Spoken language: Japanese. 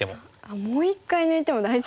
もう一回抜いても大丈夫なんですか？